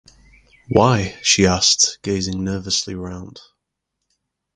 ‘Why?’ she asked, gazing nervously round.